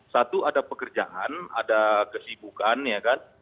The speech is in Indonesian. satu ada pekerjaan ada kesibukan ya kan